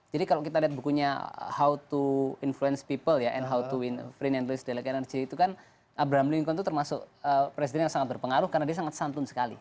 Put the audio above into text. jadi kalau kita lihat bukunya how to influence people and how to win freedom and relief from delegated energy itu kan abraham lincoln itu termasuk presiden yang sangat berpengaruh karena dia sangat santun sekali